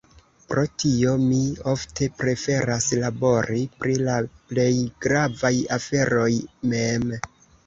Pro tio, mi ofte preferas labori pri la plej gravaj aferoj mem.